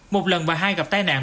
một lần và hai gặp tai nạn